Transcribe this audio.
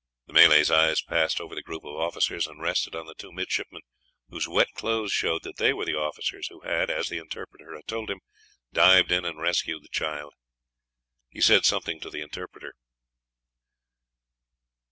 The Malay's eyes passed over the group of officers and rested on the two midshipmen, whose wet clothes showed that they were the officers who had, as the interpreter had told him, dived in and rescued the child. He said something to the interpreter.